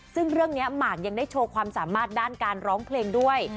ซึ่งเรื่องนี้หมากยังได้โชว์ความสามารถด้านการร้องเพลงด้วย